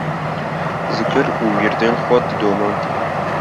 zikir û wîrdên xwe didomand